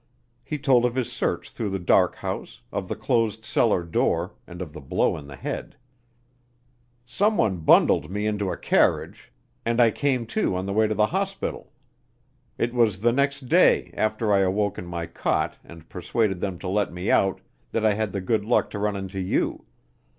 He told of his search through the dark house, of the closed cellar door, and of the blow in the head. "Someone bundled me into a carriage, and I came to on the way to the hospital. It was the next day, after I awoke in my cot and persuaded them to let me out, that I had the good luck to run into you.